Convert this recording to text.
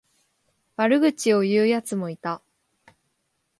悪口を言うやつもいた。